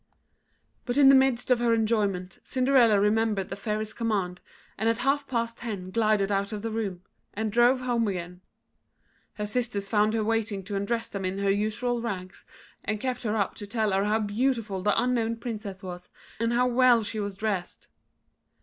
But in the midst of her enjoyment, Cinderella remembered the Fairy's command, and at half past ten glided out of the room, and drove home again. Her sisters found her waiting to undress them in her usual rags, and kept her up to tell her how beautiful the unknown Princess was, and how well she was dressed.